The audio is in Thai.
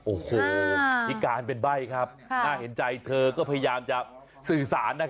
โอ้โหพิการเป็นใบ้ครับน่าเห็นใจเธอก็พยายามจะสื่อสาร